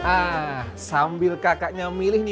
ah sambil kakaknya milih nih